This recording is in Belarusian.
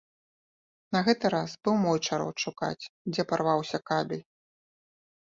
На гэты раз быў мой чарод шукаць, дзе парваўся кабель.